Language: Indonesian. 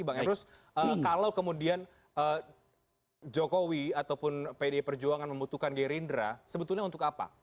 bang emrus kalau kemudian jokowi ataupun pdi perjuangan membutuhkan gerindra sebetulnya untuk apa